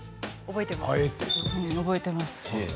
覚えています。